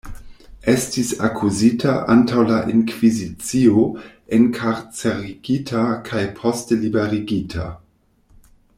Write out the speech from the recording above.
Estis akuzita antaŭ la Inkvizicio, enkarcerigita kaj poste liberigita.